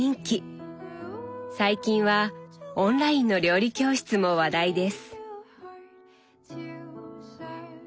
最近はオンラインの料理教室も話題です。